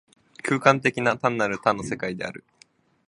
空間的な、単なる多の世界である。